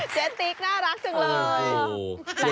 เจ๊ติ๊กน่ารักจังเลย